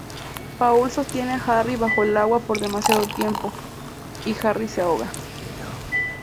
Paul sostiene a Harry bajo el agua por demasiado tiempo, y Harry se ahoga.